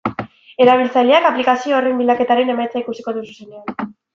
Erabiltzaileak aplikazio horren bilaketaren emaitza ikusiko du zuzenean.